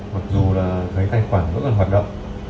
mặc dù là thấy tài khoản vẫn còn hoạt động